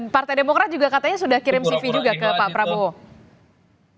partai demokrat juga katanya sudah kirim cv juga ke pak prabowo